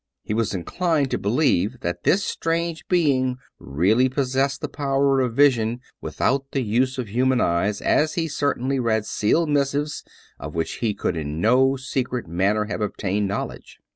He was inclined to believe that this strange being really possessed the power of vision without the use of human eyes as he certainly read sealed missives, of which he could in no secret man ner have obtained knowledge.